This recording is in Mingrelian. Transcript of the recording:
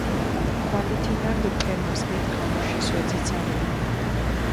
ხვალე თინა რდჷ ფერმას, მით დღამუშის ვეძიცანდუნ.